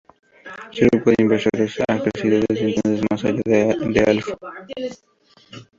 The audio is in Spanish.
Su grupo de inversores ha crecido desde entonces más allá de Alfa.